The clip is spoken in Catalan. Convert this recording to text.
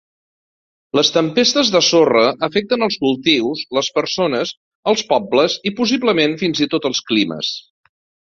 Les tempestes de sorra afecten els cultius, les persones, els pobles i possiblement fins i tot els climes.